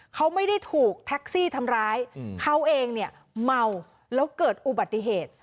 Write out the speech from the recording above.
เขาไม่ได้ถูกแท็กซี่ทำร้ายเขาเองเนี่ยเมาแล้วเกิดอุบัติเหตุ